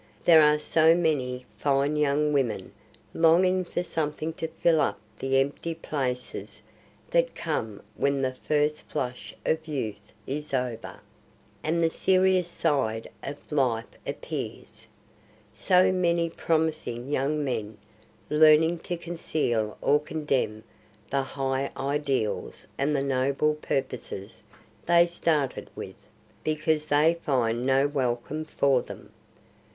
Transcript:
There are so many fine young women longing for something to fill up the empty places that come when the first flush of youth is over, and the serious side of life appears; so many promising young men learning to conceal or condemn the high ideals and the noble purposes they started with, because they find no welcome for them.